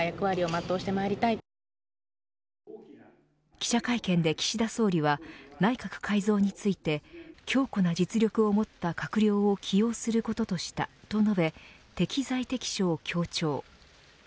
記者会見で、岸田総理は内閣改造について強固な実力を持った閣僚を起用することとしたと述べ適材適所を強調。